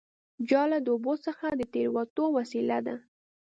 جاله د اوبو څخه د تېرېدو وسیله ده